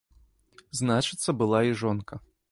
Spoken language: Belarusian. Значыцца, была і жонка.